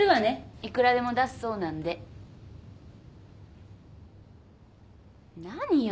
いくらでも出すそうなんで。何よ？